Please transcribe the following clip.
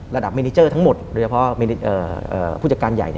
มินิเจอร์ทั้งหมดโดยเฉพาะผู้จัดการใหญ่